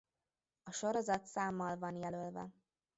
A sorozat számmal van jelölve.